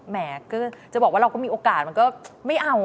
แม้ก็จะบอกว่าเราก็มีโอกาสมันก็ไม่เอา